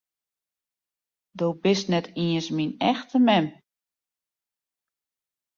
Do bist net iens myn echte mem!